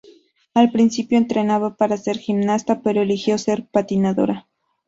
Al principio entrenaba para ser gimnasta pero eligió ser patinadora.